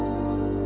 saya tidak tahu